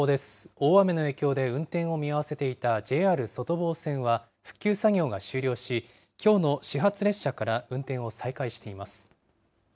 大雨の影響で運転を見合わせていたＪＲ外房線は、復旧作業が終了し、きょうの始発列車から運転を再開しています。